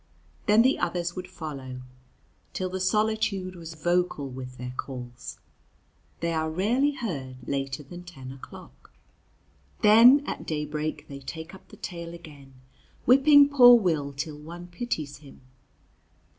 Then the others would follow, till the solitude was vocal with their calls. They are rarely heard later than ten o'clock. Then at daybreak they take up the tale again, whipping poor Will till one pities him.